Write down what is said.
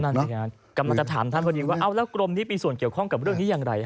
กำลังจะถามท่านพอดีว่าเอาแล้วกรมนี้มีส่วนเกี่ยวข้องกับเรื่องนี้อย่างไร